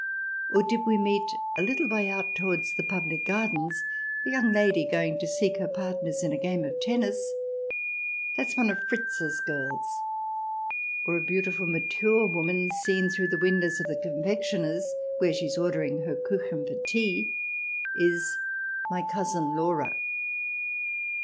Or did we meet, a little way out, towards the public gardens, a young lady going to seek her partners in a game of tennis —" That's one of Fritz's girls." Or a beautiful mature woman seen through 252 THE DESIRABLE ALIEN [ch. xviii the windows of the confectioner's where she is ordering her Kuchen for tea is " My Cousin Laura."